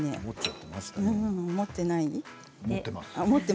思っていない？